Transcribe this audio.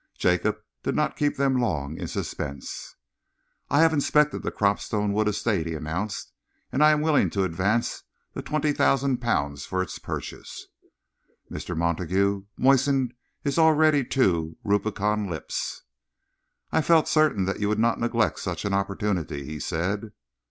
Jacob did not keep them long in suspense. "I have inspected the Cropstone Wood Estate," he announced, "and I am willing to advance the twenty thousand pounds for its purchase." Mr. Montague moistened his already too rubicund lips. "I felt certain that you would not neglect such an opportunity," he said.